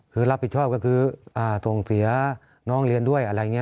คือรับผิดชอบก็คือส่งเสียน้องเรียนด้วยอะไรอย่างนี้